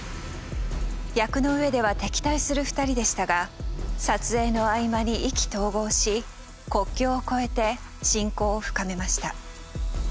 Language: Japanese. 役の上では敵対する２人でしたが撮影の合間に意気投合し国境を超えて親交を深めました。